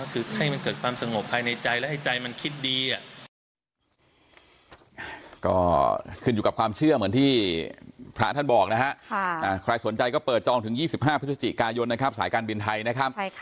คือให้มันเกิดความสงบภายในใจและให้ใจมันคิดดี